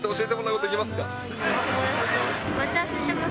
お友達と待ち合わせしてます。